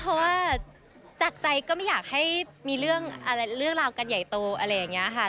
เพราะว่าจากใจก็ไม่อยากให้มีเรื่องราวกันใหญ่โตอะไรอย่างนี้ค่ะ